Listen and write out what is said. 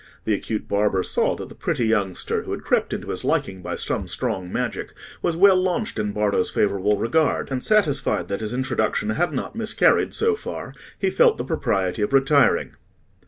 The acute barber saw that the pretty youngster, who had crept into his liking by some strong magic, was well launched in Bardo's favourable regard; and satisfied that his introduction had not miscarried so far, he felt the propriety of retiring.